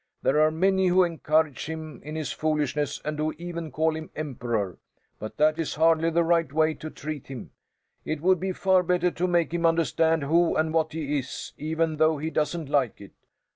"There are many who encourage him in his foolishness and who even call him Emperor. But that is hardly the right way to treat him. It would be far better to make him understand who and what he is, even though he doesn't like it.